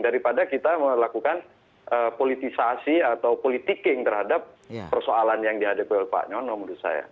daripada kita melakukan politisasi atau politiking terhadap persoalan yang dihadapi oleh pak nyono menurut saya